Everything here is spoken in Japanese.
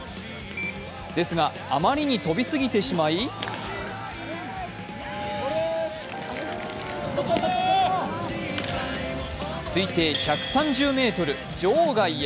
ですが、あまりに飛びすぎてしまい推定１３０ｍ、場外へ。